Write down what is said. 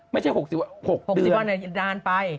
๖๐วันเลยดานไป